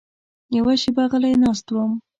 یوه شېبه غلی ناست وم.